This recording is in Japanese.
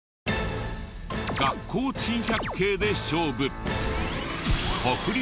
学校珍百景で勝負。